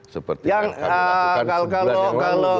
seperti yang kami lakukan sebulan yang lalu